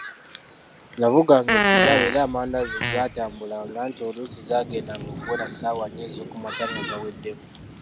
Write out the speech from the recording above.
Navuganga ekigaali era amandaazi gaatambulanga anti oluusi zaagendanga okuwera ssaawa nnya ezookumakya nga gaweddemu.